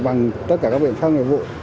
và bằng tất cả các biển pháp nghiệp vụ